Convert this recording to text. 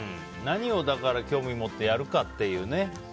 何に興味を持ってやるかというね。